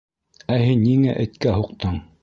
Ә һин ниңә эткә һуҡтың?